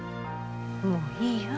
もういいよ。